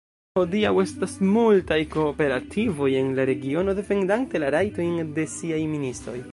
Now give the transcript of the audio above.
Hodiaŭ estas multaj kooperativoj en la regiono defendante la rajtojn de siaj ministoj.